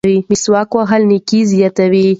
مسواک وهل نیکي زیاتوي.